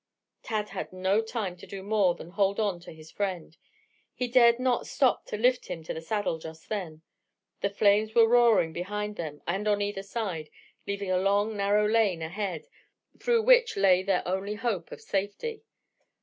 Tad had no time to do more than hold on to his friend. He dared not stop to lift him to the saddle just then. The flames were roaring behind them and on either side, leaving a long, narrow lane ahead, through which lay their only hope of safety.